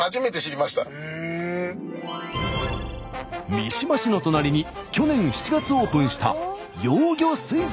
三島市の隣に去年７月オープンした幼魚水族館へ。